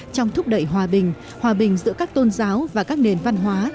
trong thúc đẩy hòa bình hòa bình giữa các tôn giáo và các nền văn hóa